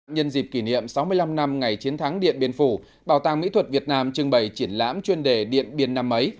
nhân dịp kỷ niệm sáu mươi năm năm ngày chiến thắng điện biên phủ bảo tàng mỹ thuật việt nam trưng bày triển lãm chuyên đề điện biên năm ấy